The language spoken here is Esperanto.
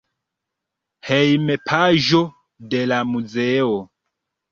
Hejmpaĝo de la muzeo.